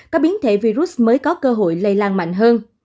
các biến thể virus mới có cơ hội lây lan mạnh hơn